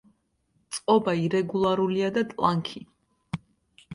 წყობა ირეგულარულია და ტლანქი.